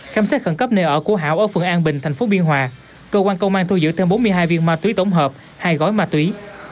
khám xét khẩn cấp nơi ở của hảo ở phường an bình tp biên hòa cơ quan công an thu giữ thêm bốn mươi hai viên ma túy tổng hợp hai gói ma túy